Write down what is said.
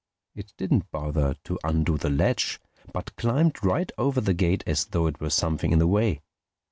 It didn't bother to undo the latch but just climbed right over the gate as though it were something in the way.